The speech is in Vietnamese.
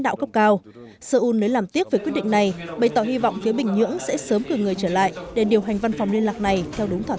đã vượt qua u hai mươi ba indonesia với tỷ số bốn